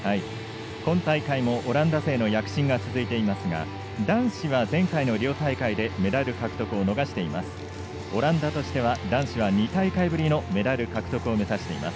今大会もオランダ勢の躍進が続いていますが男子は前回のリオ大会でメダル獲得を逃しています。